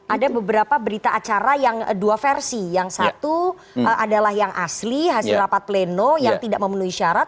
ada beberapa berita acara yang dua versi yang satu adalah yang asli hasil rapat pleno yang tidak memenuhi syarat